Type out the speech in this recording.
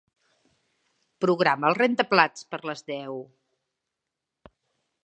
Programa el rentaplats per a les deu.